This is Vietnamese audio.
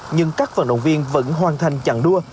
nhưng các vận động viên vẫn hoàn thành chặng đua